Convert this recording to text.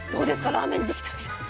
ラーメン好きとしては。